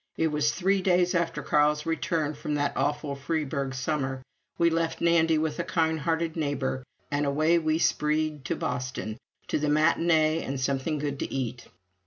It was three days after Carl's return from that awful Freiburg summer we left Nandy with a kind hearted neighbor, and away we spreed to Boston, to the matinée and something good to eat.